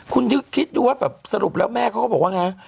คุณคิดดูว่าแบบสรุปแล้วแม่เขาก็บอกว่าไง